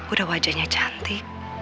udah wajahnya cantik